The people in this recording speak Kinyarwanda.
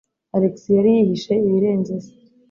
Alex yari yihishe ibirenze se.